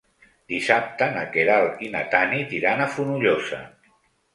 Dissabte na Queralt i na Tanit iran a Fonollosa.